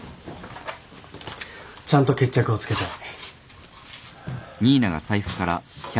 ちゃんと決着をつけたい。